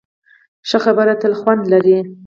ښه خبره تل خوند لري.